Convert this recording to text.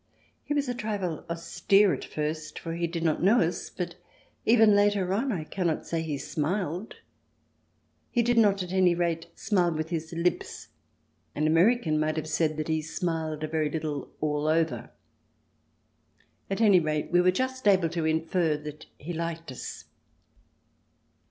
He was a trifle austere at first, for he did not know us, but even later on I cannot say he smiled. He did not, at any 144 THE DESIRABLE ALIEN [ch. x rate, smile with his Hps — an American might have said that he smiled a very little all over. At any rate, we were just able to infer that he liked us.